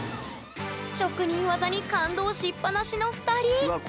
職人技に感動しっぱなしの２人うわ